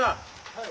はい。